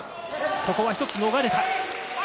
ここは一つ逃れた。